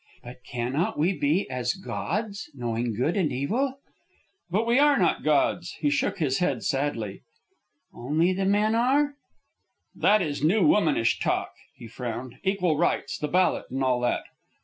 "But cannot we be as gods, knowing good and evil?" "But we are not gods," he shook his head, sadly. "Only the men are?" "That is new womanish talk," he frowned. "Equal rights, the ballot, and all that."